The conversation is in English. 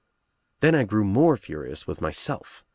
"Then I grew more furious with myself.